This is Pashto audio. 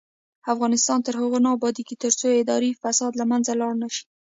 افغانستان تر هغو نه ابادیږي، ترڅو اداري فساد له منځه لاړ نشي.